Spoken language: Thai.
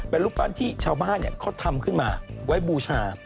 เป็นลูกบ้านที่ชาวบ้านเนี่ยเขาทำขึ้นมาไว้บูชา